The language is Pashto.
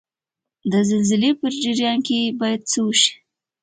د زلزلې په جریان کې باید څه وشي؟